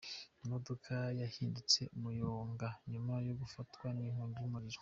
Imodoka yahindutse umuyonga nyuma yo gufatwa ninkongi yumuriro